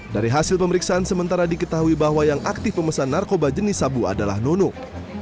dari hasil pemeriksaan sementara diketahui bahwa yang aktif memesan narkoba jenis sabu adalah nunuk